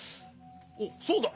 おっそうだ！